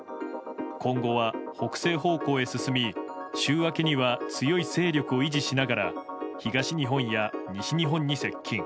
今後は北西方向へ進み週明けには強い勢力を維持しながら東日本や西日本に接近。